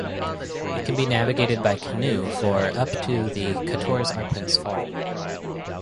It can be navigated by canoe for up to the Quatorze Arpents Fall.